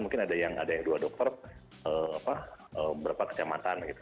mungkin ada yang dua dokter berapa kecamatan gitu